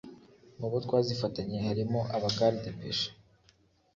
mu bo twazifatanye harimo abagarde pêche